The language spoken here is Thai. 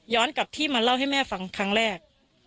ย้อนกับที่มันเล่าให้แม่ฟังครั้งแรก